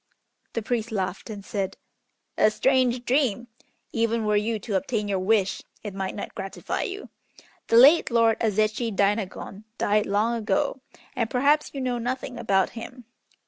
The priest laughed, and said, "A strange dream! even were you to obtain your wish it might not gratify you. The late Lord Azechi Dainagon died long ago, and perhaps you know nothing about him.